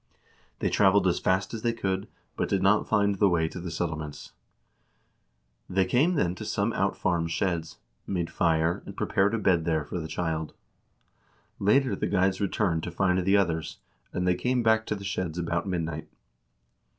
They traveled as fast as they could, but 412 HISTORY OF THE NORWEGIAN PEOPLE did not find the way to the settlements; they came then to some out farm sheds, made fire, and prepared a bed there for the child. Later the guides returned to find the others, and they came back to the sheds about midnight.